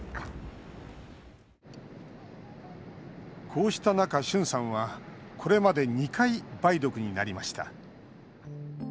こうした中、シュンさんはこれまで２回、梅毒になりました。